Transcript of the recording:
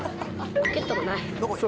ポケットがない。